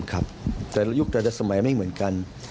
แต่ละยุคแต่ละสมัยไม่เหมือนกัน